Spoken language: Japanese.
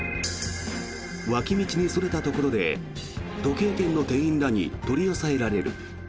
脇道にそれたところで時計店の店員らに取り押さえられる。